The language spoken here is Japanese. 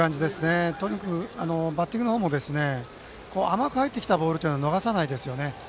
とにかくバッティングの方も甘く入ってきたボールは逃さないですよね。